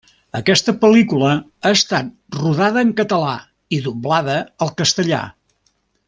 Aquesta pel·lícula ha estat rodada en català i doblada al castellà.